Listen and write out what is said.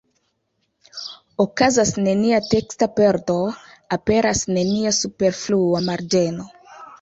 Okazas nenia teksta perdo, aperas nenia superflua marĝeno.